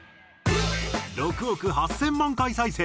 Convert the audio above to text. ６億８０００万回再生